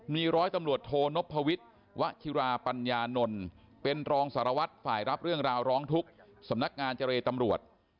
มีร้อยตำรวจโทนพวิทย์วะชิราปัญญานนท์เป็นรองสารวัตรฝ่ายรับเรื่องราวร้องทุกข์สำนักงานเจรตำรวจ